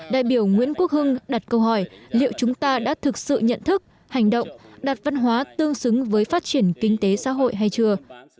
đại biểu nguyễn quốc hưng đặt câu hỏi liệu chúng ta đã thực sự nhận thức hành động đặt văn hóa tương xứng với phát triển kinh tế xã hội hay chưa